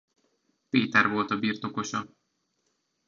Péter volt a birtokosa.